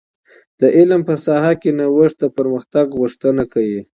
د علم په ساحه کي نوښت د پرمختګ غوښتنه کوي.